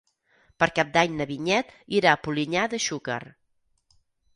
Per Cap d'Any na Vinyet irà a Polinyà de Xúquer.